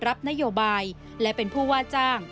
รับนโยบายและเป็นผู้ว่าจ้าง